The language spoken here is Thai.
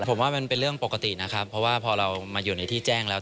ผมว่ามันเป็นเรื่องปกตินะครับเพราะว่าพอเรามาอยู่ในที่แจ้งแล้ว